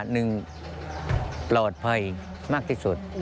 หนึ่งปลอดภัยมากที่สุด